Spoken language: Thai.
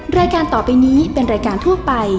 แม่บ้านประจันทร์บ้าน